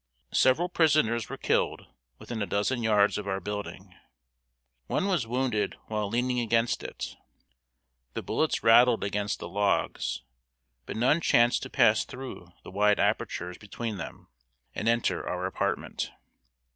Several prisoners were killed within a dozen yards of our building. One was wounded while leaning against it. The bullets rattled against the logs, but none chanced to pass through the wide apertures between them, and enter our apartment.